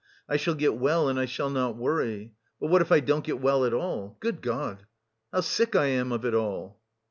I shall get well and I shall not worry.... But what if I don't get well at all? Good God, how sick I am of it all!"